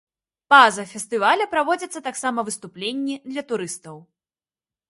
Па-за фестываля праводзяцца таксама выступленні для турыстаў.